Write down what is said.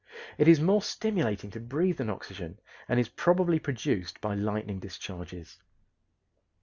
It is more stimulating to breathe than oxygen and is probably produced by lightning discharges.